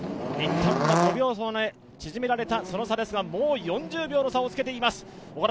一旦は５秒差まで縮められたその差ですがもう４０秒の差をつけています。